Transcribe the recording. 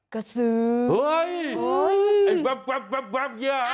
กระสือเฮ้ยเฮ้ยไอ้แว๊บแว๊บแว๊บแว๊บเยี่ยอ่ะ